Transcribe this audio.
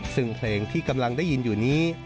ซึ่งเพลงที่กำลังได้ยินอยู่นี้